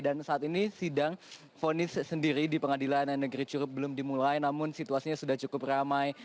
dan saat ini sidang fonis sendiri di pengadilan dan negeri curup belum dimulai namun situasinya sudah cukup ramai